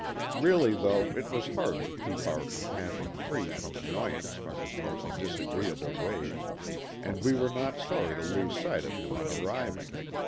Really though it was hard to keep our com passion free from annoyance from his most disagreeable ways, and we were not sorry to lose sight of him on arriving.